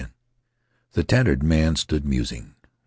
The tattered man stood musing.